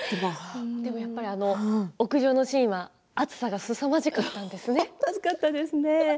屋上のシーンは暑さがすさまじかったんですね。